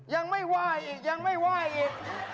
ยังไม่ไหว้อีกยังไม่ไหว้อีก